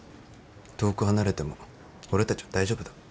遠く離れても俺たちは大丈夫だ。